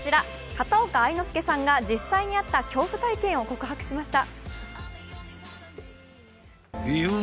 片岡愛之助さんが実際にあった恐怖体験を告白しました。